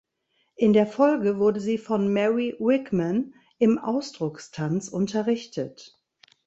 In der Folge wurde sie von Mary Wigman im Ausdruckstanz unterrichtet.